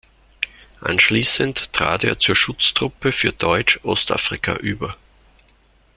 Anschließend trat er zur Schutztruppe für Deutsch-Ostafrika über.